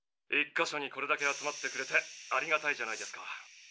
１か所にこれだけ集まってくれてありがたいじゃないですか。